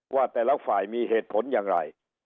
ว่าแต่ละฝ่ายมีเหตุผลอย่างไร